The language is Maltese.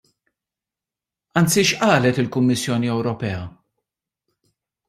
Anzi x'qalet il-Kummissjoni Ewropea?